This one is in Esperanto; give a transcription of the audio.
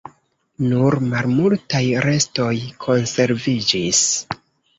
Nur malmultaj restoj konserviĝis.